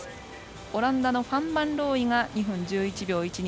オランダのファンバンローイが２分１１秒１２。